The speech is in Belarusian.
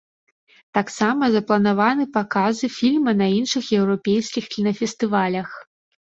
Таксама запланаваны паказы фільма на іншых еўрапейскіх кінафестывалях.